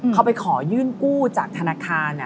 เขาไปขอยื่นกู้จากธนาคาร